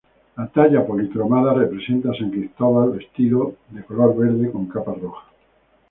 La talla policromada representa a san Cristóbal vestido de color verde, con capa roja.